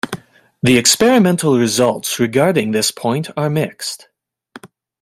The experimental results regarding this point are mixed.